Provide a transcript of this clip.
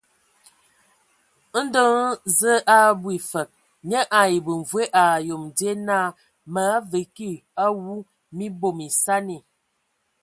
Ndo hm Zǝe a abwi fǝg, nye ai bemvoe ai ayom die naa: Mǝ avenge awu, mii bom esani.